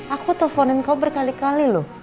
aku telponin kau berkali kali loh